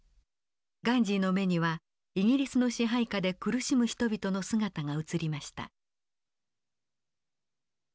ガンジーの目にはイギリスの支配下で苦しむ人々の姿が映りました。